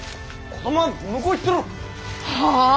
子供は向こう行ってろ！はあ？